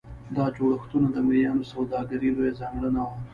دا جوړښتونه د مریانو سوداګري لویه ځانګړنه وه.